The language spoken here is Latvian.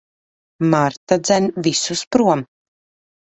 Marta dzen visus prom.